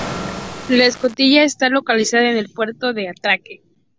La escotilla está localizada en el puerto de atraque.